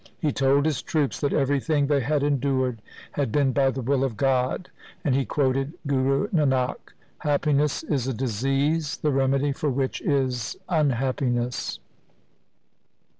He told his troops that everything they had endured had been by the will of God, and he quoted Guru Nanak —' Happiness is a disease, the remedy for which is unhappiness.'